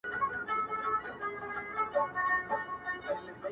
زه له اوښکو سره ولاړم پر ګرېوان غزل لیکمه٫